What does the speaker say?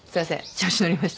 調子乗りました